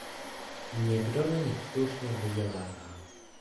Někdo na nich slušně vydělává.